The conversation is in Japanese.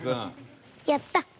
やった！